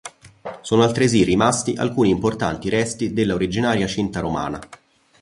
Sono altresì rimasti alcuni importanti resti della originaria cinta romana.